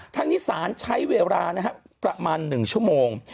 ทั้งนี้สารใช้เวลาประมาณ๑ชั่วโมง